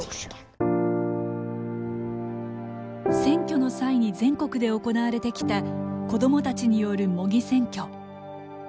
選挙の際に全国で行われてきた子どもたちによる模擬選挙。